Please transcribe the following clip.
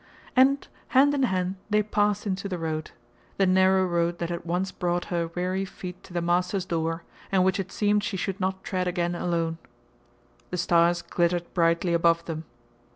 And, hand in hand, they passed into the road the narrow road that had once brought her weary feet to the master's door, and which it seemed she should not tread again alone. The stars glittered brightly above them.